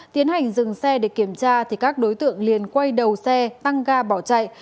tiến hành dừng xe để kiểm tra các đối tượng liền quay đầu xe tăng ga bỏ chạy